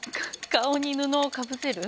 顔に布をかぶせる。